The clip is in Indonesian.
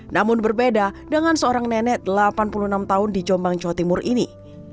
namun berbeda dengan seorang nenek delapan puluh enam tahun di jombang jawa timur ini